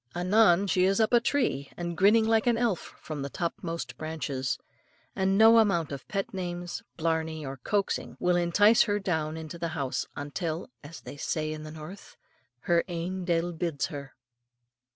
Anon, she is up a tree, and grinning like an elf from the topmost branches; and no amount of pet names, blarney, or coaxing will entice her down or into the house until, as they say in the north, her ain de'il bids her.